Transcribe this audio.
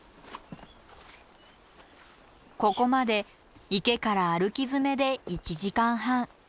ここまで池から歩きづめで１時間半。